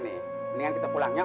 mendingan kita pulang yuk